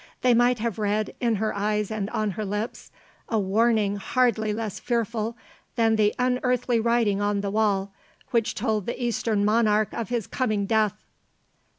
They might have read, in her eyes and on her lips, a warning hardly less fearful than the unearthly writing on the wall, which told the Eastern Monarch of his coming death.